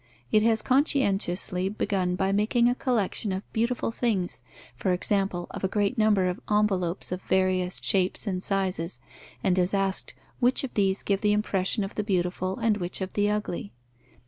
It has conscientiously begun by making a collection of beautiful things, for example of a great number of envelopes of various shapes and sizes, and has asked which of these give the impression of the beautiful and which of the ugly.